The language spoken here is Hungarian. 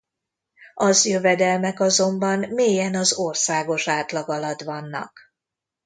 Az jövedelmek azonban mélyen az országos átlag alatt vannak.